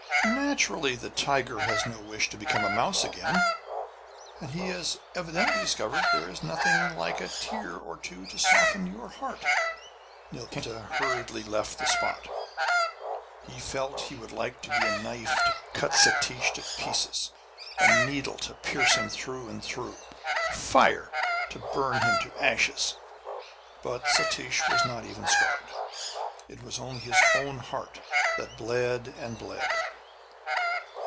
Naturally the tiger has no wish to become a mouse again. And he has evidently discovered that there is nothing like a tear or two to soften your heart.' A reference to a folk story of a saint who turned a pet mouse into a tiger. Nilkanta hurriedly left the spot. He felt he would like to be a knife to cut Satish to pieces; a needle to pierce him through and through; a fire to burn him to ashes. But Satish was not even scarred. It was only his own heart that bled and bled.